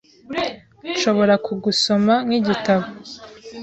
Nshobora kugusoma nkigitabo .